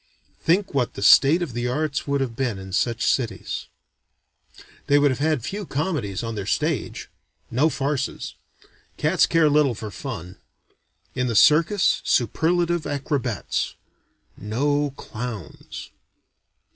Think what the state of the arts would have been in such cities. They would have had few comedies on their stage; no farces. Cats care little for fun. In the circus, superlative acrobats. No clowns.